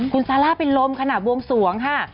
คุณซาร่าเป็นลมขณะบวงสวงค่ะ